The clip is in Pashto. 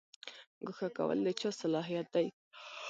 ګوښه کول د چا صلاحیت دی؟